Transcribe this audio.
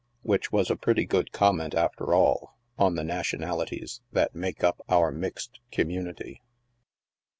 Which was a pretty good comment, after all, on the nationalities that make up our mixed community.